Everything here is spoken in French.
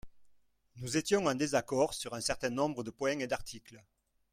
Nous étions en désaccord sur un certain nombre de points et d’articles.